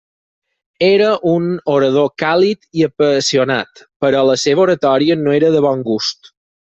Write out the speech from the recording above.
Era un orador càlid i apassionat, però la seva oratòria no era de bon gust.